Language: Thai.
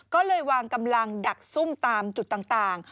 ก็เลยวางกำลังดักซุ่มตามจุดต่าง